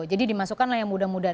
jadi dimasukkanlah yang muda muda